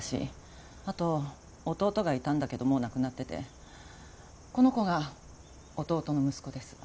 あと弟がいたんだけどもう亡くなっててこの子が弟の息子です。